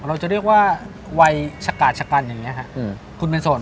เราจะเรียกว่าวัยฉักกัดฉักกันอย่างนี้ค่ะคุณเป็นโสดไหม